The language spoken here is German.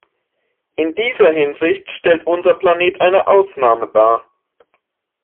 In dieser Hinsicht stellt unser Planet eine Ausnahme dar.